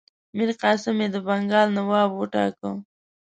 میرقاسم یې د بنګال نواب وټاکه.